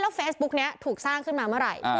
แล้วเฟสบุ๊คเนี้ยถูกสร้างขึ้นมาเมื่อไหร่อ่า